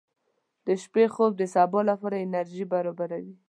• د شپې خوب د سبا لپاره انرژي برابروي.